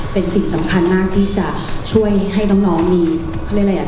เป็นสิ่งสำคัญมากที่จะช่วยให้น้องมีความเรียบร้อย